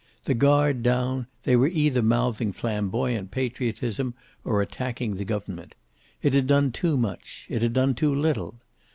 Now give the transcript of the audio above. The guard down, they were either mouthing flamboyant patriotism or attacking the Government. It had done too much. It had done too little.